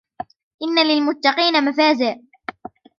إِنَّ لِلْمُتَّقِينَ مَفَازًا